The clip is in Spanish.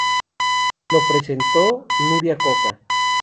Lo presentó Nuria Coca.